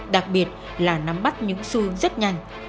đặc biệt là nắm bắt những xu hướng rất nhanh